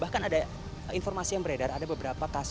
bahkan ada informasi yang beredar ada beberapa kasus